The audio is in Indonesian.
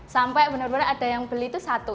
sampai benar benar ada yang beli itu satu